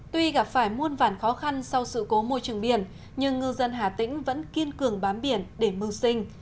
tuy gặp phải muôn vản khó khăn sau sự cố môi trường biển nhưng ngư dân hà tĩnh vẫn kiên cường bám biển để mưu sinh